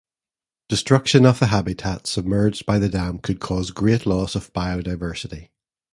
Destruction of the habitat submerged by the dam could cause great loss of biodiversity.